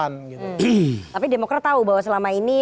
tapi demokrat tahu bahwa selama ini